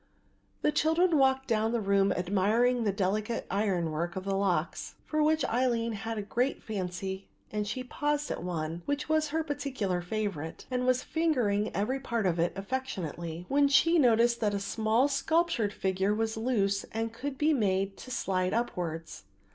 The children walked down the room admiring the delicate iron work of the locks, for which Aline had a great fancy and she had paused at one, which was her particular favourite, and was fingering every part of it affectionately, when she noticed that a small sculptured figure was loose and could be made to slide upwards.